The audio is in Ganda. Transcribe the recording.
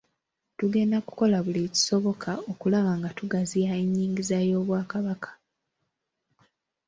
Tugenda kukola buli kisoboka okulaba nga tugaziya ennyingiza y'Obwakabaka.